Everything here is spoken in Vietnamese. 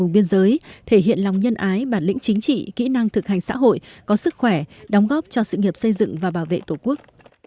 biên giới thể hiện lòng nhân ái bản lĩnh chính trị kỹ năng thực hành xã hội có sức khỏe đóng góp cho sự nghiệp xây dựng và bảo vệ tổ quốc